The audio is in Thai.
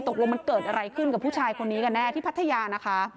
ตกลงมันเกิดอะไรขึ้นกับผู้ชายคนนี้กันแน่ที่พัทยานะคะ